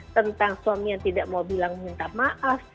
tentang suami yang tidak mau bilang minta maaf